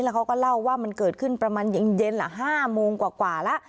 เขาก็เล่าว่ามันเกิดขึ้นประมาณเย็นละ๕โมงกว่าแล้ว